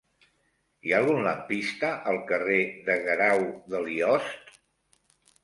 Hi ha algun lampista al carrer de Guerau de Liost?